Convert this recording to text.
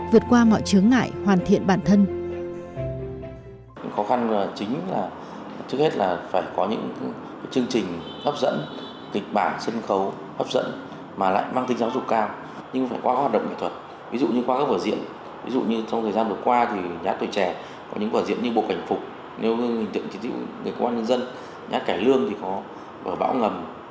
vượt qua mọi chướng ngại hoàn thiện bản thân